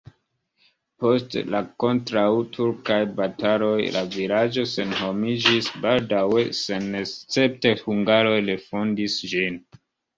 Post la kontraŭturkaj bataloj la vilaĝo senhomiĝis, baldaŭe senescepte hungaroj refondis ĝin.